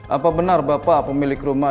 apa benar bapak pemilik rumah